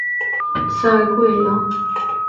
徐的在桂阳去世。